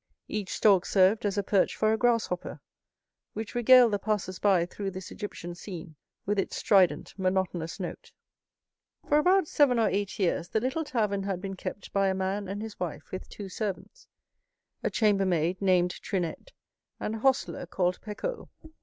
Each stalk served as a perch for a grasshopper, which regaled the passers by through this Egyptian scene with its strident, monotonous note. For about seven or eight years the little tavern had been kept by a man and his wife, with two servants,—a chambermaid named Trinette, and a hostler called Pecaud.